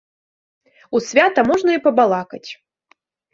У свята можна і пабалакаць.